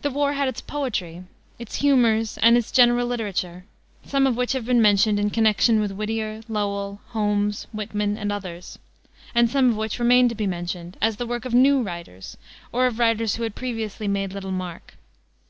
The war had its poetry, its humors and its general literature, some of which have been mentioned in connection with Whittier, Lowell, Holmes, Whitman, and others; and some of which remain to be mentioned, as the work of new writers, or of writers who had previously made little mark.